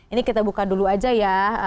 ini kita buka dulu aja ya